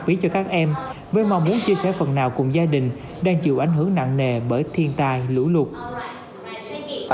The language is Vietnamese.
phí cho các em với mong muốn chia sẻ phần nào cùng gia đình đang chịu ảnh hưởng nặng nề bởi thiên tai lũ lụt